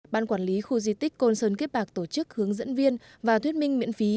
ban quản lý khu di tích côn sơn kiếp bạc tổ chức hướng dẫn viên và thuyết minh miễn phí